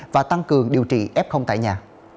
và tăng cường điều trị f tại nhà